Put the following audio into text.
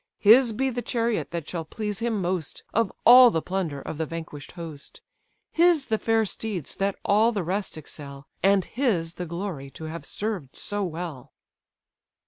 His be the chariot that shall please him most, Of all the plunder of the vanquish'd host; His the fair steeds that all the rest excel, And his the glory to have served so well."